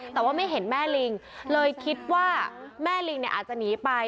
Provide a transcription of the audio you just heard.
แต่ว่าไม่เห็นแม่ลิงเลยคิดว่าแม่ลิงเนี่ยอาจจะหนีไป